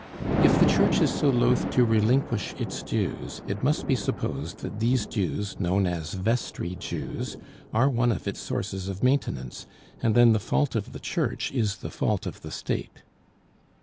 If the Church is so loath to relinquish its dues, it must be supposed that these dues, known as Vestry dues, are one of its sources of maintenance, and then the fault of the Church is the fault of the State.